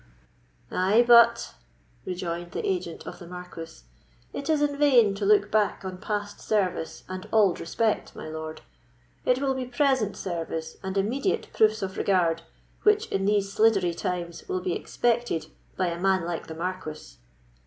"Ay, but," rejoined the agent of the Marquis, "it is in vain to look back on past service and auld respect, my lord; it will be present service and immediate proofs of regard which, in these sliddery times, will be expected by a man like the Marquis."